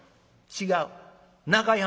「違う」。